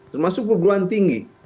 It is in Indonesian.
termasuk perguruan tinggi